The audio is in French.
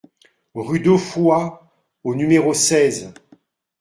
Rue d'Offoy au numéro seize